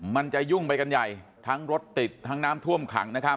มันจะยุ่งไปกันใหญ่ทั้งรถติดทั้งน้ำท่วมขังนะครับ